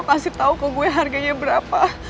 kasih tau ke gue harganya berapa